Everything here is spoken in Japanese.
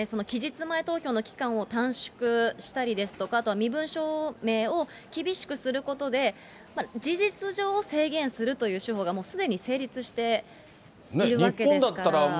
期日前投票の期間を短縮したりですとか、あとは身分証明を厳しくすることで、事実上、制限するという手法がもうすでに成立しているわけですから。